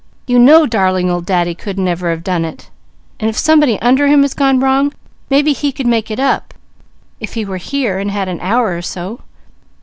"You know 'darling old Daddy' couldn't ever have done it; and if somebody under him has gone wrong, maybe he could make it up, if he was here and had an hour or so.